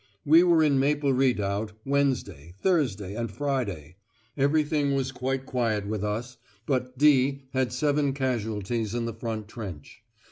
We were in Maple Redoubt, Wednesday, Thursday, and Friday; everything was quite quiet with us, but 'D' had seven casualties in the front trench.